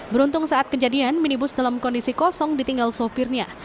beruntung saat kejadian minibus dalam kondisi kosong ditinggal sopirnya